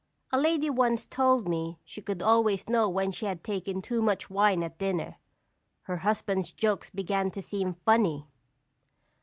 A lady once told me she could always know when she had taken too much wine at dinner her husband's jokes began to seem funny!